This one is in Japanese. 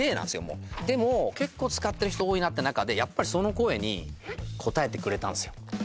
もうでも結構使ってる人多いなって中でやっぱりその声に応えてくれたんすよ